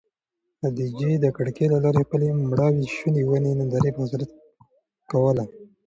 خدیجې د کړکۍ له لارې د خپلې مړاوې شوې ونې ننداره په حسرت کوله.